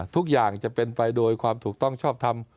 ทุกอย่างจะเป็นไปโดยความถูกต้องชอบทำ